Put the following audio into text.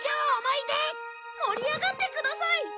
盛り上がってください！